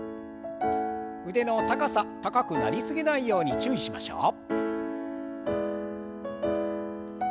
腕の高さ高くなりすぎないように注意しましょう。